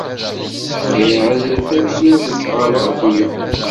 Sɛiɣ azref ad iliɣ deg uɣerrabu-a.